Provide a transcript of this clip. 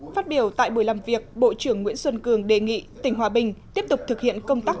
phát biểu tại buổi làm việc bộ trưởng nguyễn xuân cường đề nghị tỉnh hòa bình tiếp tục thực hiện công tác